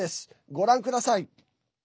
ご覧ください。